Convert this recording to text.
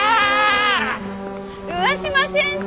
上嶋先生！